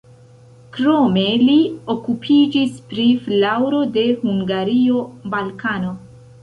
Krome li okupiĝis pri flaŭro de Hungario, Balkano.